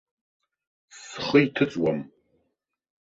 Схы иҭыҵуам.